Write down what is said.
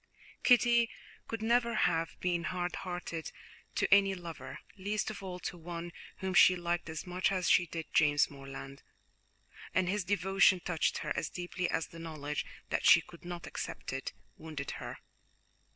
Kitty could never have been hard hearted to any lover, least of all to one whom she liked as much as she did James Morland, and his devotion touched her as deeply as the knowledge that she could not accept it wounded her.